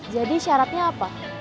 jadi syaratnya apa